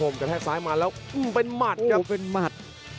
ผมขอลูกแข็ง